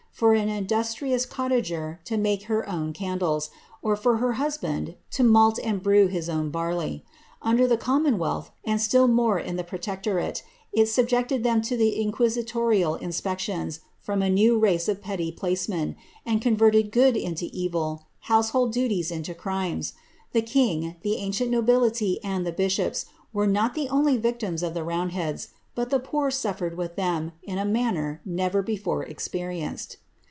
for an industrious cot^ » make her own candles, or for her husband to malt and brew I barley ; under the commonwealth, and still more in the protec it subjected them to inquisitorial inspections, from a new race of Jacemen, and converted good into evil, household duties into The king, the ancient nobility, and the bishops, were not the ctims of the roundlieadn, but the poor suflered with them, in a never before experienced.